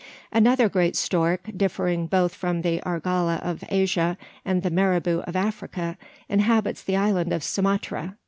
Another great stork differing both from the argala of Asia and the marabou of Africa inhabits the Island of Sumatra.